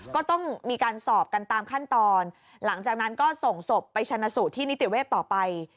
ก็ต้องมีการสอบกันตามขั้นตอนหลังจากนั้นก็ส่งศพไปชนะสูตรที่นิติเวศต่อไป